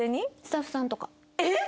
えっ！？